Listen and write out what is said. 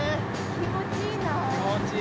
気持ちいい。